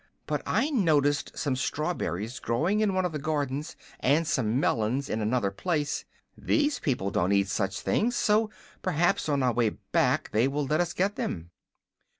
"But I noticed some strawberries growing in one of the gardens, and some melons in another place. These people don't eat such things, so perhaps on our way back they will let us get them."